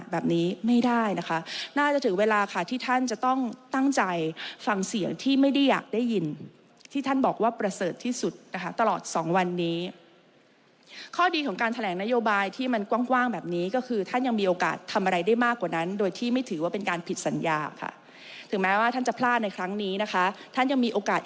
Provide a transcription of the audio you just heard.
แบบนี้ไม่ได้นะคะน่าจะถึงเวลาค่ะที่ท่านจะต้องตั้งใจฟังเสียงที่ไม่ได้อยากได้ยินที่ท่านบอกว่าประเสริฐที่สุดนะคะตลอดสองวันนี้ข้อดีของการแถลงนโยบายที่มันกว้างแบบนี้ก็คือท่านยังมีโอกาสทำอะไรได้มากกว่านั้นโดยที่ไม่ถือว่าเป็นการผิดสัญญาค่ะถึงแม้ว่าท่านจะพลาดในครั้งนี้นะคะท่านยังมีโอกาส